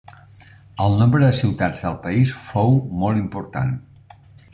El nombre de ciutats del país fou molt important.